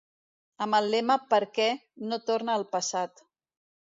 Amb el lema Perquè no torne el passat.